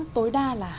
tối đa là hai lời chúc